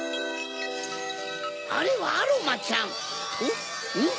あれはアロマちゃんとん？